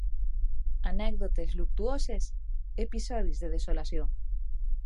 Anècdotes luctuoses, episodis de desolació